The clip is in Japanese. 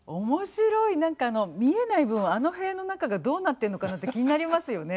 何かあの見えない分あの部屋の中がどうなってるのかなって気になりますよね。